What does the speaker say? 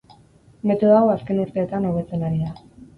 Metodo hau azken urteetan hobetzen ari da.